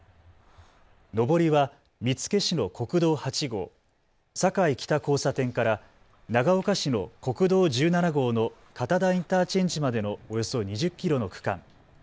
上りは見附市の国道８号、坂井北交差点から長岡市の国道１７号の片田インターチェンジまでのおよそ２０キロの区間。